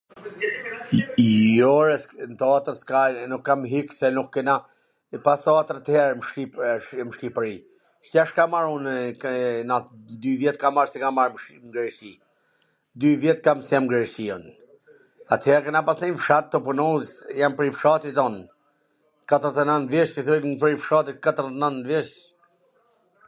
Jo, ore, n teatwr nuk kam ik se nu kena pas teatwr ater, n Shqipri. Tash kam ardh unw n Greqi, dy vjet kam qw jam n Greqi un, ater kena pas ndenj n fshat tu punu, jam prej fshatit un, katwrdhet e nant vjeC mw bwri fshati, katwrdhet e nant vjeC.